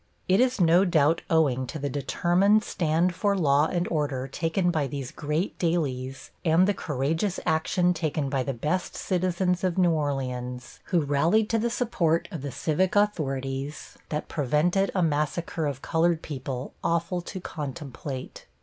It is no doubt owing to the determined stand for law and order taken by these great dailies and the courageous action taken by the best citizens of New Orleans, who rallied to the support of the civic authorities, that prevented a massacre of colored people awful to contemplate.